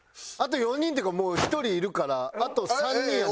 あと４人っていうかもう１人いるからあと３人。